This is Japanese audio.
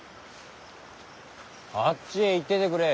あっちへ行っててくれ。